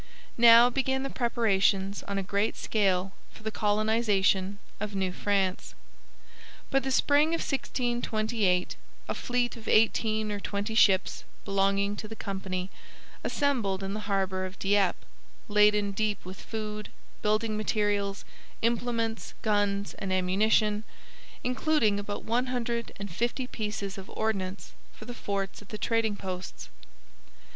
Now began the preparations on a great scale for the colonization of New France. By the spring of 1628 a fleet of eighteen or twenty ships belonging to the company assembled in the harbour of Dieppe, laden deep with food, building materials, implements, guns, and ammunition, including about one hundred and fifty pieces of ordnance for the forts at the trading posts.